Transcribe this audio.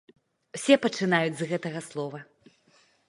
Усе пачынаюць з гэтага слова.